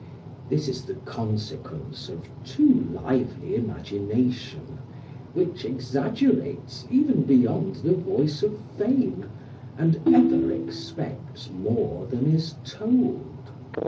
This is the consequence of too lively imagination, which exaggerates even beyond the voice of fame, and ever expects more than is told.